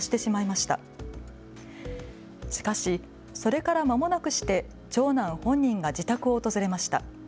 しかし、それからまもなくして長男本人が自宅を訪れました。